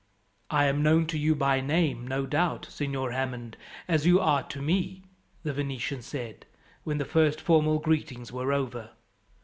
"I am known to you by name, no doubt, Signor Hammond, as you are to me," the Venetian said, when the first formal greetings were over.